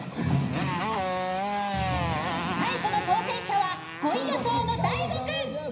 最後の挑戦者は５位予想の大悟くん。